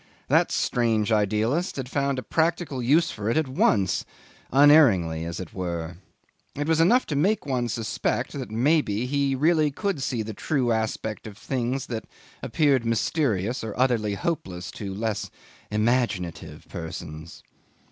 That strange idealist had found a practical use for it at once unerringly, as it were. It was enough to make one suspect that, maybe, he really could see the true aspect of things that appeared mysterious or utterly hopeless to less imaginative persons.